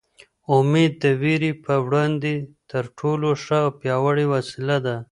امېد د وېرې په وړاندې تر ټولو ښه او پیاوړې وسله ده.